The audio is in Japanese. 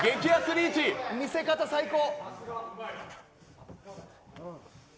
見せ方最高。